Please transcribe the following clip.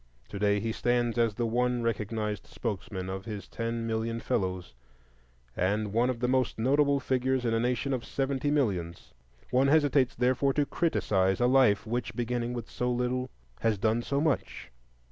To day he stands as the one recognized spokesman of his ten million fellows, and one of the most notable figures in a nation of seventy millions. One hesitates, therefore, to criticise a life which, beginning with so little, has done so much.